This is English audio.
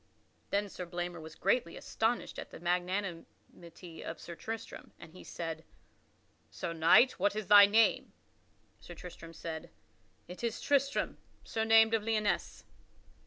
Then Sir Blamor was greatly astonished at the magnanimity of Sir Tristram, and he said, "Sir Knight, what is thy name?" Sir Tristram said, "It is Tristram, surnamed of Lyonesse."